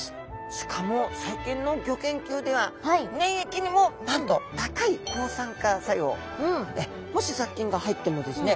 しかも最近のギョ研究では粘液にもなんと高い抗酸化作用もし雑菌が入ってもですね